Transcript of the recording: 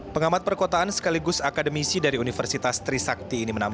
pengamat perkotaan sekaligus akademisi dari universitas trisakti ini menambahkan